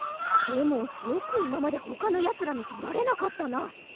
でもよくいままでほかのやつらにとられなかったな。